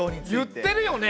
言ってるよね！